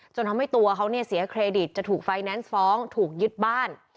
จนทำให้ตัวเขาเนี่ยเสียเครดิตจะถูกไฟแนนซ์ฟ้องถูกยึดบ้าน